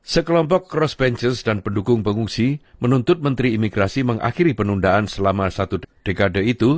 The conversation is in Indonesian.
sekelompok cross bankers dan pendukung pengungsi menuntut menteri imigrasi mengakhiri penundaan selama satu dekade itu